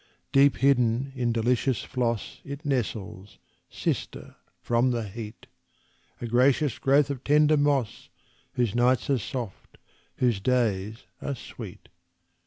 Deep hidden in delicious floss It nestles, sister, from the heat A gracious growth of tender moss Whose nights are soft, whose days are sweet.